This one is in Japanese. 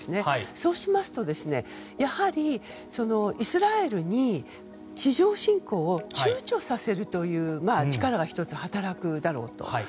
そうしますとやはり、イスラエルに地上侵攻を躊躇させるという力が働くだろうと。